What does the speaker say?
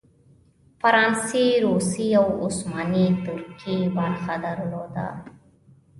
فرانسې، روسیې او عثماني ترکیې برخه درلوده.